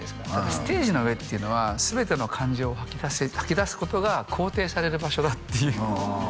ステージの上っていうのは全ての感情を吐き出すことが肯定される場所だっていううんうんうんうん